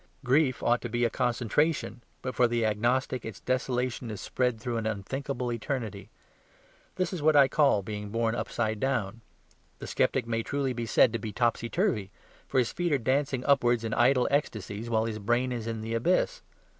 Grief ought to be a concentration; but for the agnostic its desolation is spread through an unthinkable eternity. This is what I call being born upside down. The sceptic may truly be said to be topsy turvy; for his feet are dancing upwards in idle ecstasies, while his brain is in the abyss.